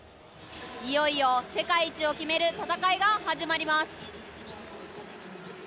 いよいよ世界一を決める戦いが始まります。